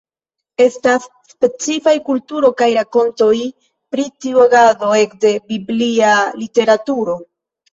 Estas specifaj kulturo kaj rakontoj pri tiu agado ekde biblia literaturo.